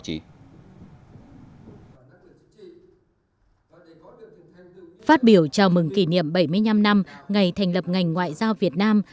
phát biểu chào mừng kỷ niệm bảy mươi năm năm ngày thành lập ngành ngoại giao việt nam